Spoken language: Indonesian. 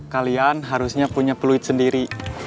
kalian harusnya punya peluit sendiri